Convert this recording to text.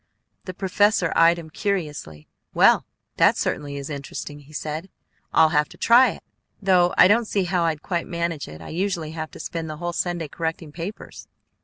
_" The professor eyed him curiously. "Well, that certainly is interesting," he said. "I'll have to try it. Though I don't see how I'd quite manage it. I usually have to spend the whole Sunday correcting papers."